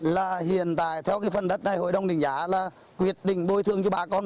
là hiện tại theo cái phần đất này hội đồng đình giá là quyết định bùi thương cho bà con